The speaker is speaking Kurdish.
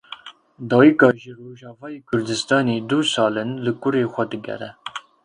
Dayika ji Rojavayê Kurdistanê du sal in li kurê xwe digere.